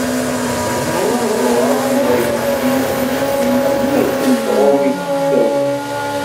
Ttḥussuɣ akk i wayen yi-d-yezzin am wakken tɣumm-it tagut.